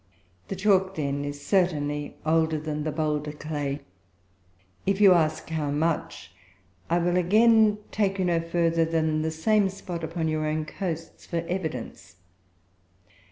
The chalk, then, is certainly older than the boulder clay. If you ask how much, I will again take you no further than the same spot upon your own coasts for evidence.